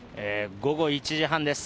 午後１時半です。